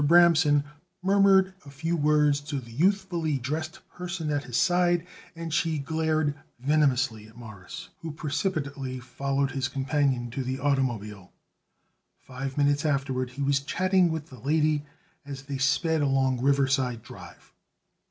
Bramson murmured a few words to the youthfully dressed person at his side, and she glared venomously at Morris, who precipitately followed his companion to the automobile. Five minutes afterward he was chatting with the lady as they sped along Riverside Drive.